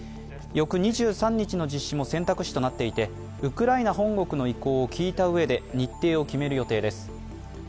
翌２３日の実施も選択肢となっていて、ウクライナ本国の意向を聞いたうえで日程を決める予定です。